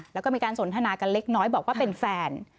แล้วก็มีการสนทนากันเล็กน้อยบอกว่าเป็นแฟน